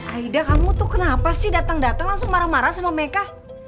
aida kamu tuh kenapa sih dateng dateng langsung marah marah sama meika